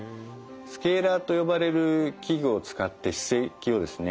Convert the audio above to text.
スケーラーと呼ばれる器具を使って歯石をですね